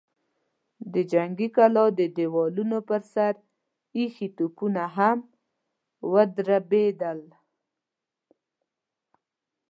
د جنګي کلا د دېوالونو پر سر ايښي توپونه هم ودربېدل.